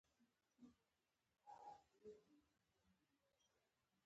قلم د ښوونځي ملګری پاتې کېږي